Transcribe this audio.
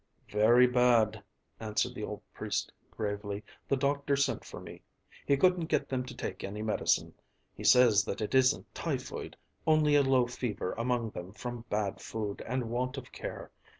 "Very bad," answered the old priest gravely. "The doctor sent for me he couldn't get them to take any medicine. He says that it isn't typhoid; only a low fever among them from bad food and want of care.